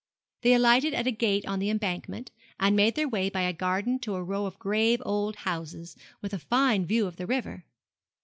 They alighted at a gate on the Embankment, and made their way by a garden to a row of grave old houses, with a fine view of the river.